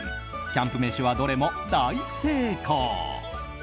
キャンプ飯はどれも大成功。